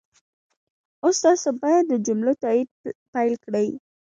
اوس تاسو باید د جملو تایید پيل کړئ.